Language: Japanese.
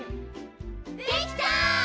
できた！